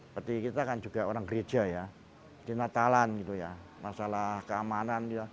jadi kita kan juga orang gereja ya dinetalan gitu ya masalah keamanan gitu